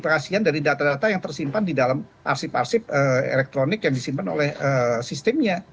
kasian dari data data yang tersimpan di dalam arsip arsip elektronik yang disimpan oleh sistemnya